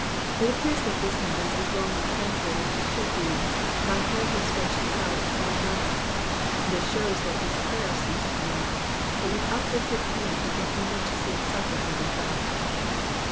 It appears that this sentence is wrongly translated, and should be, *' my hand was stretched out all night ;^^ this shews that his prayer ceased not, but with uplifted hand he continued to seek succour of his God.